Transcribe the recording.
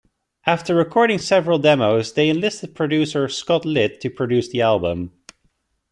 After recording several demos, they enlisted producer Scott Litt to produce the album.